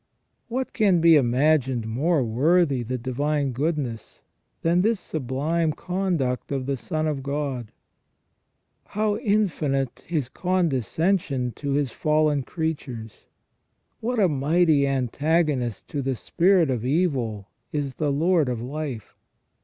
What can be imagined more worthy the divine goodness than this sublime conduct of the Son of God ? How infinite His con descension to His fallen creatures ? What a mighty antagonist to the spirit of evil is the Lord of life